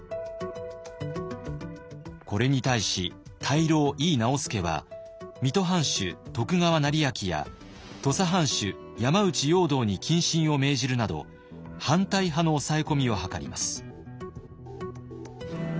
これに対し大老井伊直弼は水戸藩主徳川斉昭や土佐藩主山内容堂に謹慎を命じるなど反対派の抑え込みを図ります。